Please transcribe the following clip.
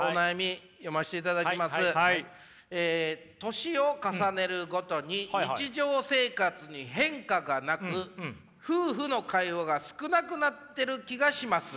「年を重ねるごとに日常生活に変化がなく夫婦の会話が少なくなってる気がします。